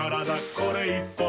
これ１本で」